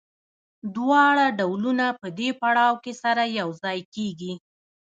دواړه ډولونه په دې پړاو کې سره یوځای کېږي